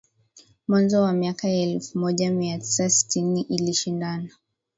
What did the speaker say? Mwanzo wa miaka ya elfumoja miatisa sitini ilishindana